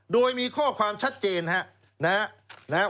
โดยมีข้อความชัดเจนนะครับ